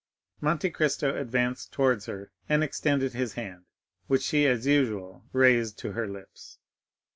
Monte Cristo advanced towards her and extended his hand, which she as usual raised to her lips.